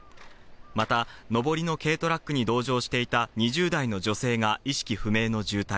また上りの軽トラックに同乗していた２０代の女性が意識不明の重体。